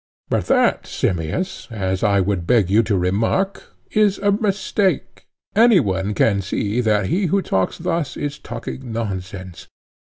But that, Simmias, as I would beg you to remark, is a mistake; any one can see that he who talks thus is talking nonsense.